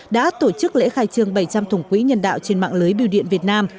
đã tổ chức lễ khai trương bảy trăm linh thùng quỹ nhân đạo trên mạng lưới biểu điện việt nam